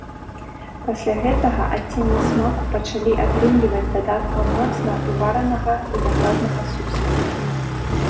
Пасля гэтага адценне смаку пачалі атрымліваць дадаткам моцна уваранага вінаграднага сусла.